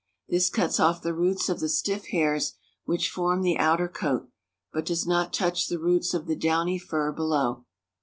This cuts off the roots of the stiff hairs which form the outer coat, but does not touch the roots of the downy fur below.